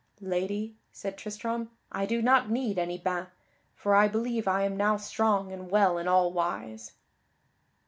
"Lady," said Tristram, "I do not need any bain, for I believe I am now strong and well in all wise."